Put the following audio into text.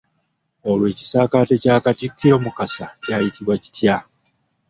Olwo ekisaakaate kya Katikkiro Mukasa kyayitibwa kitya?